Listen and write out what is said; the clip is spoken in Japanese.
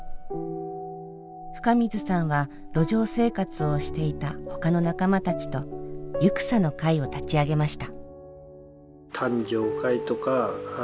深水さんは路上生活をしていた他の仲間たちと「ゆくさの会」を立ち上げました。